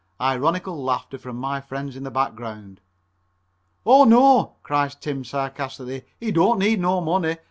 Ironical laughter from my friends in the background. "Oh, no," cries Tim sarcastically, "he don't need no money.